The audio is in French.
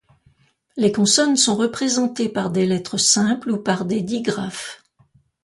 Les consonnes sont représentées par des lettres simples ou par des digraphes.